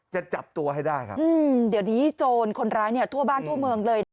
จะจับตัวให้ได้ครับเดี๋ยวนี้โจรคนร้ายเนี่ยทั่วบ้านทั่วเมืองเลยนะคะ